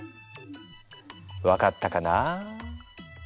分かったかな？